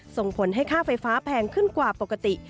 ส่งผลให้ค่าไฟฟ้าแพงขึ้นกว่าปกติ